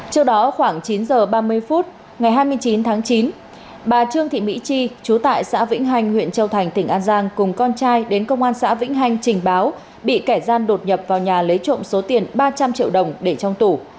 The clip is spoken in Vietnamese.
trước đó khoảng chín h ba mươi phút ngày hai mươi chín tháng chín bà trương thị mỹ chi chú tại xã vĩnh hành huyện châu thành tỉnh an giang cùng con trai đến công an xã vĩnh hành trình báo bị kẻ gian đột nhập vào nhà lấy trộm số tiền ba trăm linh triệu đồng để trong tủ